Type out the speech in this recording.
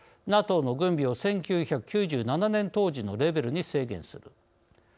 ＮＡＴＯの軍備を１９９７年当時のレベルに制限する。